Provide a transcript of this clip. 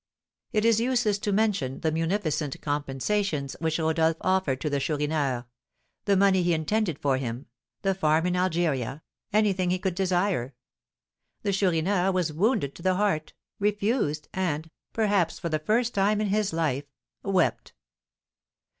It is useless to mention the munificent compensations which Rodolph offered to the Chourineur, the money he intended for him, the farm in Algeria, anything he could desire. The Chourineur was wounded to the heart, refused, and (perhaps for the first time in his life) wept.